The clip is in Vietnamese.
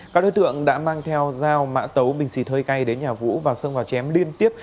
các đối tượng đã mang theo dao mã tấu bình xì thơi cay đến nhà vũ và sơn vào chém liên tiếp